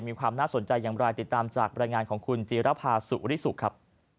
มีความน่าสนใจอย่างไรติดตามจากบรรยายงานของคุณจีรภาสุริสุครับ